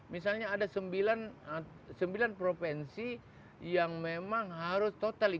misalnya ada sembilan provinsi yang memang harus total